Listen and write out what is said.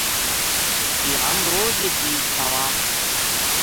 جے ہم روز یہ چیز کھاواں